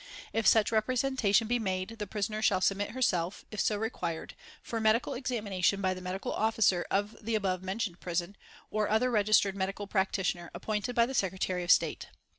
If such representation be made, the prisoner shall submit herself, if so required, for medical examination by the medical officer of the above mentioned prison, or other registered medical practitioner appointed by the Secretary of State.